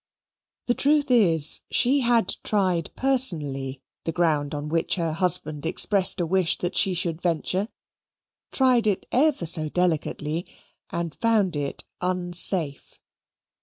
The truth is, she had tried personally the ground on which her husband expressed a wish that she should venture tried it ever so delicately, and found it unsafe.